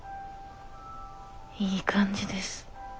いい感じです。